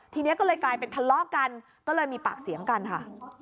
ทีนี้ก็เลยกลายเป็นทะเลาะกันก็เลยมีปากเสียงกันค่ะ